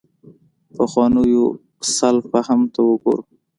پخوانو سلف فهم ته وګورو.